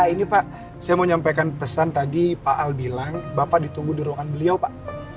ini pak saya mau nyampaikan pesan tadi pak al bilang bapak ditunggu di ruangan beliau pak